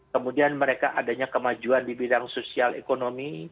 kemudian mereka adanya kemajuan di bidang sosial ekonomi